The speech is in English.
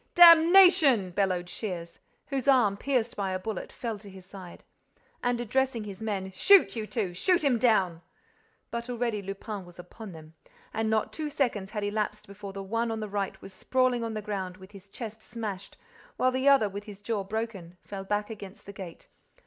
"Damnation!" bellowed Shears, whose arm, pierced by a bullet, fell to his side. And, addressing his men, "Shoot, you two! Shoot him down!" But already Lupin was upon them: and not two seconds had elapsed before the one on the right was sprawling on the ground, with his chest smashed, while the other, with his jaw broken, fell back against the gate.